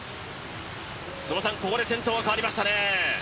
ここで先頭が変わりましたね。